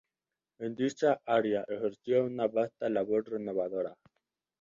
En dicha área ejerció una vasta labor renovadora.